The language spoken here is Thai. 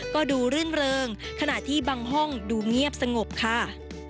ก็ดูรื่นเริงขณะที่บางห้องดูเงียบสงบค่ะ